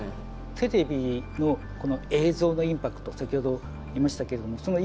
テレビのこの映像のインパクト先ほど言いましたけれどもそのインパクトが大きい。